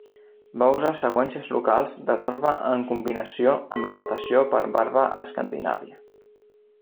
Va usar seqüències locals de torba en combinació amb la datació per varva a Escandinàvia.